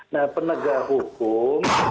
nah penegak hukum